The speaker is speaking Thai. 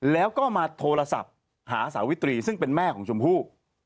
แล้วก็มาโทรศัพท์หาสาวิตรีซึ่งเป็นแม่ของชมพู่